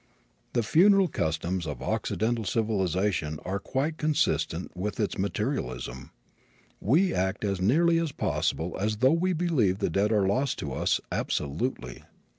The funeral customs of Occidental civilization are quite consistent with its materialism. We act as nearly as possible as though we believe the dead are lost to us absolutely.